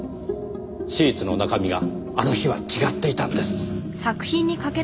シーツの中身があの日は違っていたんです。